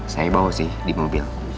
saya bawa sih di mobil